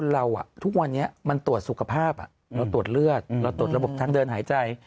เราตรวจเลือดเราตรวจระบบทางเดินหายใจ